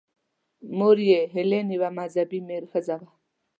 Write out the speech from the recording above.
مور یې هیلین یوه مذهبي ښځه وه.